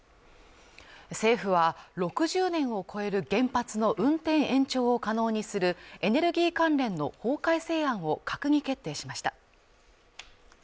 政府は６０年を超える原発の運転延長を可能にするエネルギー関連の法改正案を閣議決定しました。